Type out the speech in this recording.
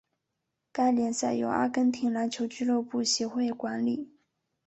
该联赛由阿根廷篮球俱乐部协会管理。